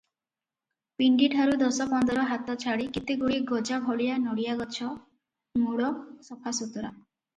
ପିଣ୍ତିଠାରୁ ଦଶ ପନ୍ଦର ହାତ ଛାଡ଼ି କେତେଗୁଡ଼ିଏ ଗଜାଭଳିଆ ନଡ଼ିଆ ଗଛ, ମୂଳ ସଫାସୁତୁରା ।